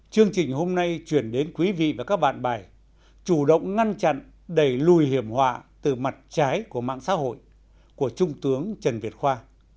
chương trình hôm nay chuyển đến quý vị và các bạn bài chủ động ngăn chặn đẩy lùi hiểm họa từ mặt trái của mạng xã hội của trung tướng trần việt khoa